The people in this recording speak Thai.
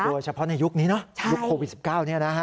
โดยเฉพาะในยุคนี้เนอะยุคโควิด๑๙เนี่ยนะฮะ